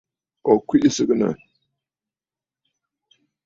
Ò kwìʼi sɨgɨ̀nə̀.